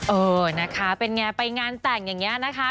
เออนะคะรู้สึกนี่ก็ไปงานแต่งอย่างนี้นะคะ